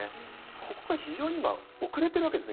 ここが非常に遅れているわけですね。